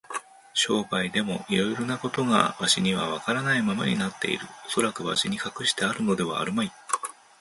商売でもいろいろなことがわしにはわからないままになっている。おそらくわしに隠してあるのではあるまい。